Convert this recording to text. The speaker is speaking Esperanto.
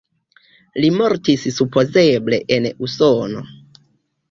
Li mortis supozeble en Usono.